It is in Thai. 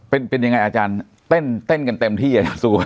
เป็นยังไงอาจารย์เต้นกันเต็มที่อาจารย์สูวะ